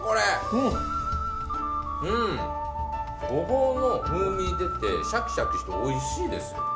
ごぼうの風味出てシャキシャキしておいしいですよ。